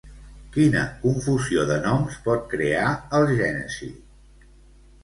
Quina confusió de noms pot crear, el Gènesi?